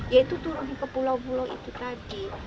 yaitu turun ke pulau pulau itu tadi